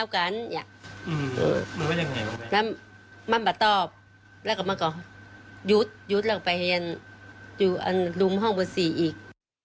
การบัดตอบแล้วก็มันก็หยุดหยุดลงไปให้อยู่อันรุมห้องบุษีอีก